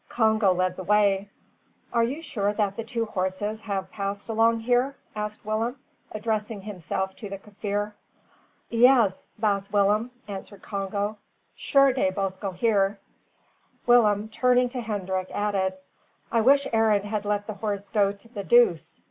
Congo led the way. "Are you sure that the two horses have passed along here?" asked Willem, addressing himself to the Kaffir. "Yaas, Baas Willem," answered Congo. "Sure dey both go here." Willem, turning to Hendrik, added, "I wish Arend had let the horse go to the deuce.